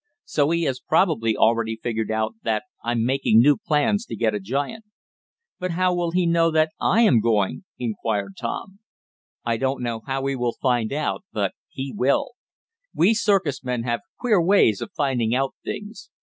So he has probably already figured out that I'm making new plans to get a giant." "But how will he know that I am going?" inquired Tom. "I don't know how he will know, but he will. We circus men have queer ways of finding out things.